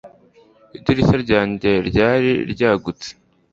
Idirishya ryanjye ryari ryagutse